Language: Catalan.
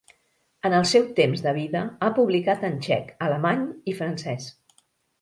En el seu temps de vida, ha publicat en txec, alemany i francès.